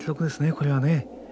これはね。